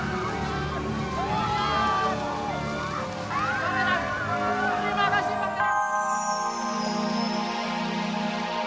untuk memiliki kekerasan